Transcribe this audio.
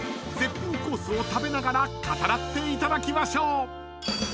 ［絶品コースを食べながら語らっていただきましょう！］